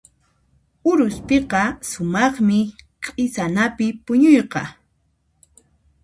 Uruspiqa sumaqmi q'isanapi puñuyqa.